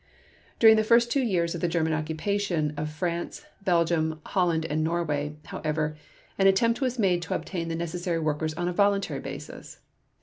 During the first two years of the German occupation of France, Belgium, Holland, and Norway, however, an attempt was made to obtain the necessary workers on a voluntary basis.